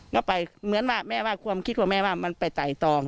ก็ไปเหมือนว่าแม่ว่าความคิดของแม่ว่ามันไปไต่ตอง